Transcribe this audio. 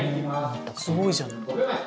すごいじゃない。